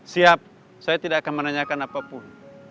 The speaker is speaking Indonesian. siap saya tidak akan menanyakan apapun